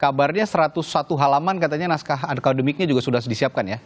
kabarnya satu ratus satu halaman katanya naskah akademiknya juga sudah disiapkan ya